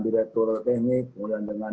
direktur teknik kemudian dengan